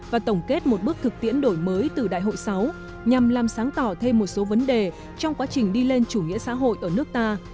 và tổng kết một bước thực tiễn đổi mới từ đại hội sáu nhằm làm sáng tỏ thêm một số vấn đề trong quá trình đi lên chủ nghĩa xã hội ở nước ta